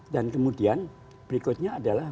dan kemudian berikutnya adalah